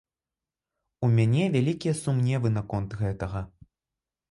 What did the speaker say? У мяне вялікія сумневы наконт гэтага.